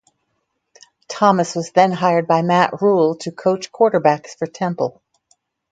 Thomas was then hired by Matt Rhule to coach quarterbacks for Temple.